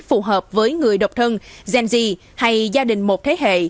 phù hợp với người độc thân gen z hay gia đình một thế hệ